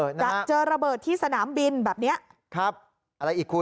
จะเจอระเบิดที่สนามบินแบบนี้